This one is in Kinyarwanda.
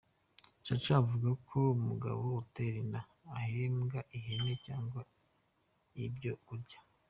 Chacha avuga ko umugabo utera inda ahembwa ihene cyanga ibyo kurya.